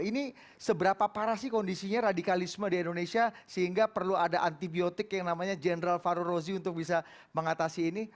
ini seberapa parah sih kondisinya radikalisme di indonesia sehingga perlu ada antibiotik yang namanya general farul rozi untuk bisa mengatasi ini